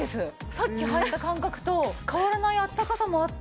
さっき履いた感覚と変わらないあったかさもあって。